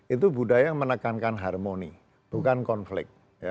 itu budaya yang menekankan harmoni bukan konflik